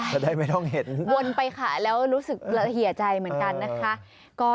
ใช่วนไปค่ะแล้วรู้สึกเหยื่อใจเหมือนกันนะคะจะได้ไม่ต้องเห็น